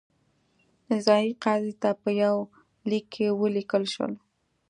ځايي قاضي ته په یوه لیک کې ولیکل شول.